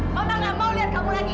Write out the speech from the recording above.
mama tidak mau melihat kamu lagi